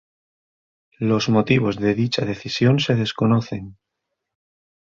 Los motivos de dicha decisión se desconocen.